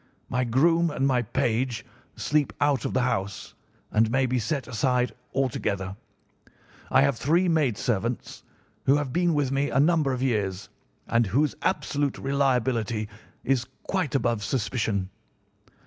My groom and my page sleep out of the house, and may be set aside altogether. I have three maid servants who have been with me a number of years and whose absolute reliability is quite above suspicion.